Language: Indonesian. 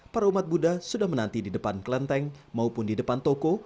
para umat buddha sudah menanti di depan kelenteng maupun di depan toko